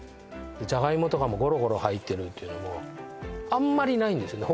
ジャガイモとかもゴロゴロ入ってるっていうのもあんまりないんですね